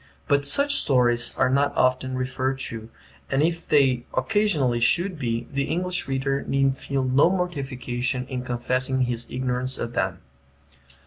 But such stories are not often referred to, and if they occasionally should be, the English reader need feel no mortification in confessing his ignorance of them.